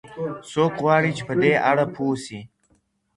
څوک غواړي چي په دې اړه پوه سي؟